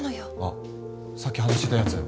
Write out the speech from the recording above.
あさっき話してたやつ？